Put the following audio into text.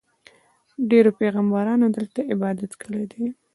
ډېرو پیغمبرانو دلته عبادت کړی دی.